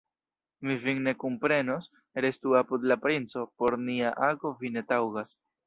Mi vin ne kunprenos, restu apud la princo, por nia ago vi ne taŭgas.